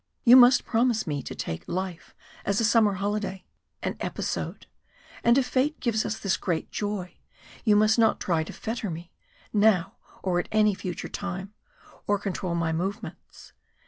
You must promise me to take life as a summer holiday an episode and if fate gives us this great joy, you must not try to fetter me, now or at any future time, or control my movements.